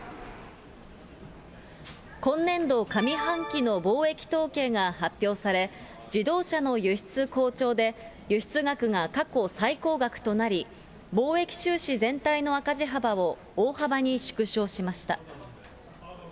今年度上半期の貿易統計が発表され、自動車の輸出好調で、輸出額が過去最高額となり、貿易収支全体の赤字幅を大幅に縮小しました。